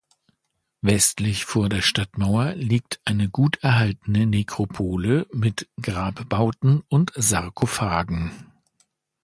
Westlich vor der Stadtmauer liegt eine gut erhaltene Nekropole mit Grabbauten und Sarkophagen.